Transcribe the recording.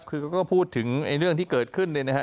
ก็พูดถึงเรื่องที่เกิดขึ้นเลยนะครับ